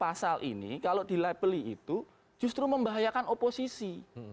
pasal ini kalau dilabeli itu justru membahayakan oposisi